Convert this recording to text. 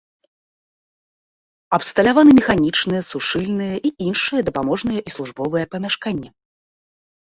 Абсталяваны механічныя, сушыльныя і іншыя дапаможныя і службовыя памяшканні.